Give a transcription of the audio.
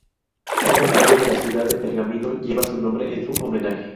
Una calle de la ciudad de Pergamino lleva su nombre en su homenaje.